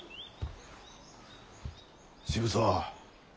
渋沢。